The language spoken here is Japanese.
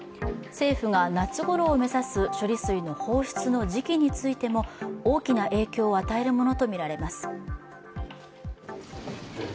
政府が夏ごろを目指す処理水の放出の時期についても大きな影響を与えるものとみられます。